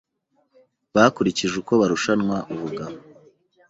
bakurikije uko barushanwa ubugabo